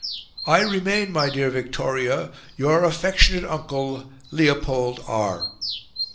I remain, my dear Victoria, your affectionate uncle, Leopold R."